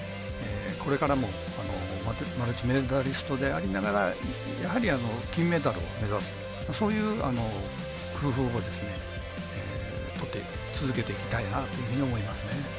これからもマルチメダリストでありながらやはり、金メダルを目指すそういう工夫を続けていきたいなというふうに思いますね。